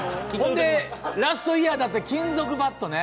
ラストイヤーだった金属バットね。